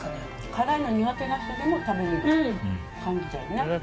辛いの苦手な人でも食べれる感じだよね。